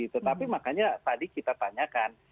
tetapi makanya tadi kita tanyakan